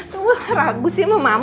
tuh ragu sih mau mama